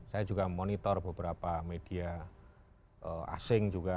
saya juga monitor beberapa media asing juga